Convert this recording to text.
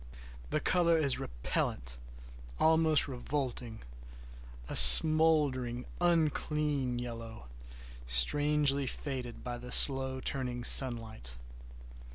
The color is repellant, almost revolting; a smouldering, unclean yellow, strangely faded by the slow turning sunlight.